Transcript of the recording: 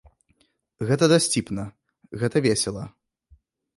Гэта дасціпна, гэта весела.